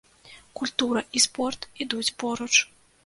Культура і спорт ідуць поруч.